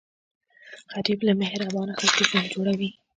غریب له مهربانه خلکو ژوند جوړوي